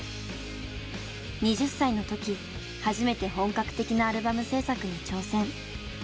２０歳の時初めて本格的なアルバム制作に挑戦。